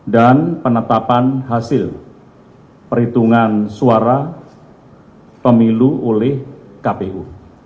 dan penetapan hasil perhitungan suara pemilu oleh kpu